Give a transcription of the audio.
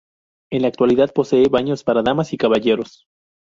En la actualidad posee baños para damas y caballeros.